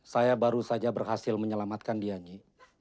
saya baru saja berhasil menyelamatkan dia nyi